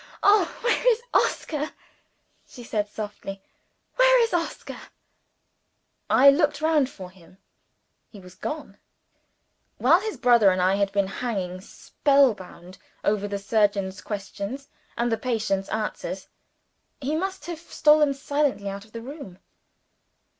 "Oh, where is Oscar?" she said softly. "Where is Oscar?" I looked round for him. He was gone. While his brother and I had been hanging spell bound over the surgeon's questions and the patient's answers, he must have stolen silently out of the room.